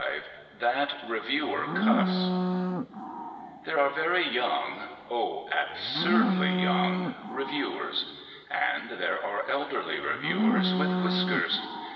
V THAT REVIEWER "CUSS" There are very young, oh absurdly young! reviewers; and there are elderly reviewers, with whiskers.